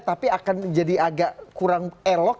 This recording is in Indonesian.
tapi akan jadi agak kurang elok